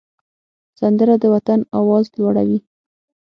سندره د وطن آواز لوړوي